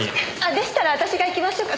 でしたら私が行きましょうか？